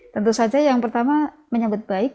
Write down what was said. tentu saja yang pertama menyambut baik